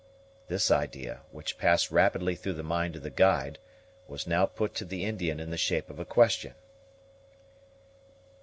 This idea, which passed rapidly through the mind of the guide, was now put to the Indian in the shape of a question.